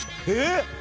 えっ！